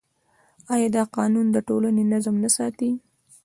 آیا دا قانون د ټولنې نظم نه ساتي؟